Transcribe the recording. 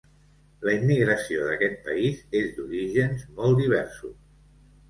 La immigració d'aquest país és d'orígens molt diversos.